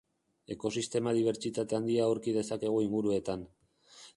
Ekosistema dibertsitate handia aurki dezakegu inguruetan.